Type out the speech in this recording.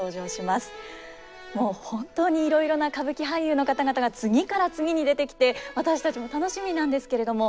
もう本当にいろいろな歌舞伎俳優の方々が次から次に出てきて私たちも楽しみなんですけれども。